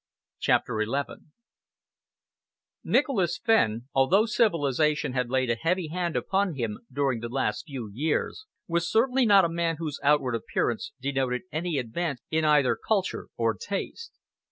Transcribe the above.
CHAPTER XI Nicholas Fenn, although civilisation had laid a heavy hand upon him during the last few years, was certainly not a man whose outward appearance denoted any advance in either culture or taste.